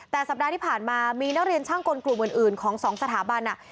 แต่สัปดาห์ที่ผ่านมามีนักเรียนช่างกลกลุ่มอื่นของสองสถาบัน